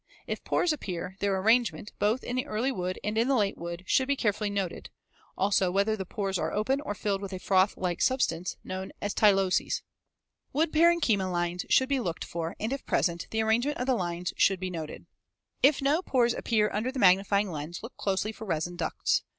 If pores appear, their arrangement, both in the early wood and in the late wood, should be carefully noted; also whether the pores are open or filled with a froth like substance known as tyloses. Wood parenchyma lines should be looked for, and if present, the arrangement of the lines should be noted. [Illustration: FIG. 148. (Magnified about 8 times.)] If no pores appear under the magnifying lens, look closely for resin ducts.